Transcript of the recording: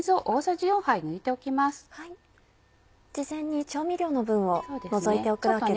事前に調味料の分を除いておくわけですね。